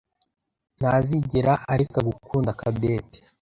ntazigera areka gukunda Cadette.